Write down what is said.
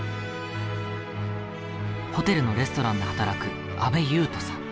ホテルのレストランで働く安部優斗さん。